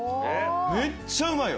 めっちゃうまいよ。